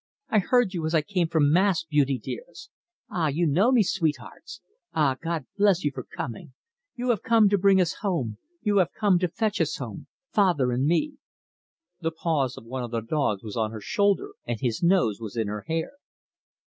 I heard you as I came from Mass, beauty dears. Ah, you know me, sweethearts? Ah, God bless you for coming! You have come to bring us home; you have come to fetch us home father and me." The paws of one of the dogs was on her shoulder, and his nose was in her hair.